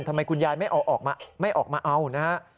ทำไมคุณยายไม่ออกมาเอานะฮะ